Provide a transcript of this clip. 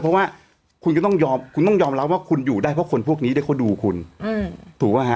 เพราะว่าคุณก็ต้องยอมรับว่าคุณอยู่ได้เพราะคนพวกนี้เขาดูคุณถูกมั้ยฮะ